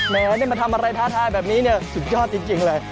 ได้มาทำอะไรท้าทายแบบนี้เนี่ยสุดยอดจริงเลย